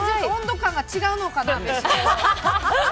温度感が違うのかな。